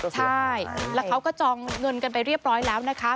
ใช่แล้วเขาก็จองเงินกันไปเรียบร้อยแล้วนะคะ